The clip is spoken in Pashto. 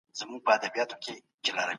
خوب د وزن کنټرول کې رول لري.